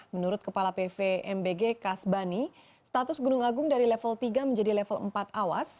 menurut kepala pvmbg kasbani status gunung agung dari level tiga menjadi level empat awas